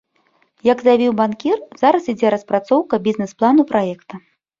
Як заявіў банкір, зараз ідзе распрацоўка бізнэс-плану праекта.